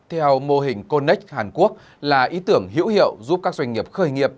theo mô hình connec hàn quốc là ý tưởng hữu hiệu giúp các doanh nghiệp khởi nghiệp